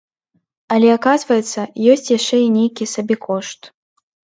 Але аказваецца, ёсць яшчэ і нейкі сабекошт!